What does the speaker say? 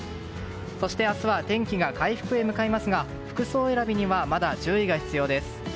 そして明日は天気が回復へ向かいますが服装選びにはまだ注意が必要です。